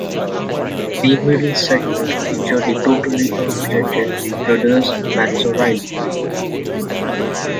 The middle segment featured the totally unrelated The Brothers Matzoriley.